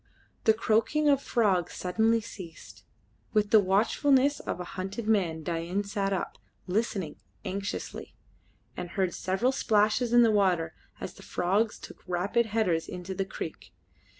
The croaking of frogs suddenly ceased. With the watchfulness of a hunted man Dain sat up, listening anxiously, and heard several splashes in the water as the frogs took rapid headers into the creek.